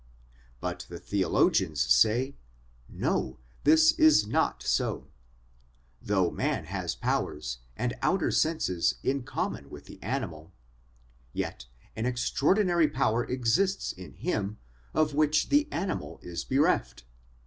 But the theologians say : No, this is not so. Though man has powers and outer senses in common with the animal, yet an extraordinary power exists in him of which the animal is bereft.